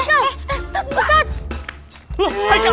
asun jangan dilepasin